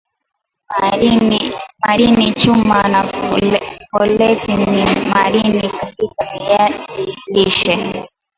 madini chuma na foleti ni madini katika viazi lishe